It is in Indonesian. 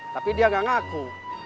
tapi dia nggak ngaku